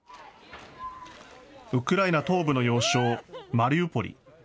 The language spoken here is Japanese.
ウクライナ東部の要衝マリウポリ。